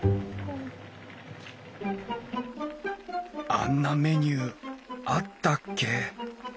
あんなメニューあったっけ？